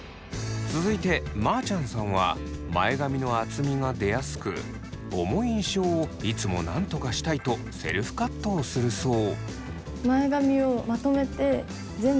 続いてまーちゃんさんは前髪の厚みが出やすく重い印象をいつもなんとかしたいとセルフカットをするそう。